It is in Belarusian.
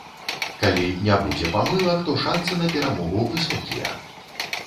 Калі не будзе памылак, то шанцы на перамогу высокія.